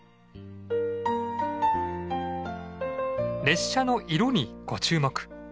列車の色にご注目！